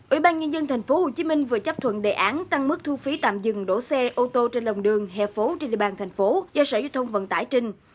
ủy ban nhân dân tp hcm vừa chấp thuận đề án tăng mức thu phí tạm dừng đổ xe ô tô trên lòng đường hè phố trên địa bàn thành phố do sở giao thông vận tải trình